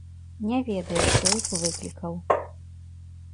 Не ведаю, хто іх выклікаў.